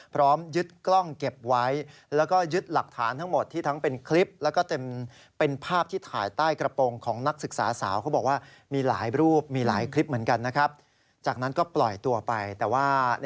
ผู้หญิงนะนางสาวบีเขาบอกว่า